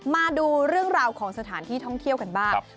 มาดูเรื่องราวของสถานที่ท่องเที่ยวกันบ้าง